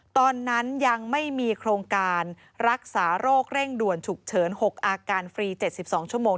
ตอนนั้นยังไม่มีโครงการรักษาโรคเร่งด่วนฉุกเฉิน๖อาการฟรี๗๒ชั่วโมง